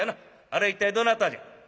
あれ一体どなたじゃ？」。